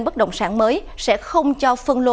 bất động sản mới sẽ không cho phân lô